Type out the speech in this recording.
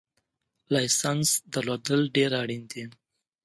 لایسنس درلودل ډېر اړین دي